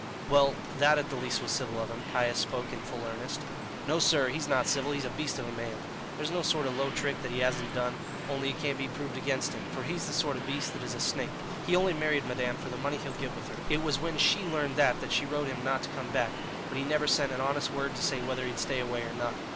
"Well, that at least was civil of him." Caius spoke in full earnest. "No, sir; he's not civil; he's a beast of a man. There's no sort of low trick that he hasn't done, only it can't be proved against him; for he's the sort of beast that is a snake; he only married madame for the money he'll get with her. It was when she learned that that she wrote to him not to come back; but he never sent an honest word to say whether he'd stay away or not.